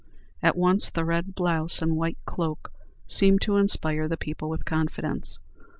At once the red blouse and white cloak seemed to inspire the people with confidence.